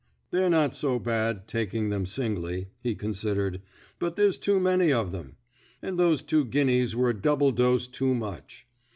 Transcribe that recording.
They're not so bad, taking them singly/' he considered, but there's too many of them. And those two Guinnys were a double dose too much."